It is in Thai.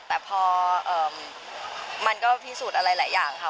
แต่พอมันก็พิสูจน์อะไรหลายอย่างค่ะ